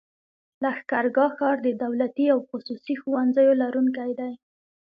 لښکرګاه ښار د دولتي او خصوصي ښوونځيو لرونکی دی.